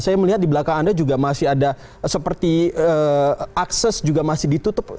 saya melihat di belakang anda juga masih ada seperti akses juga masih ditutup